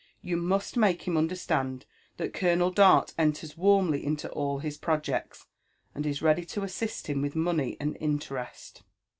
You must make him understand that Colonel Dart enters warmly into all his projects, and is ready to assist him with money and interest."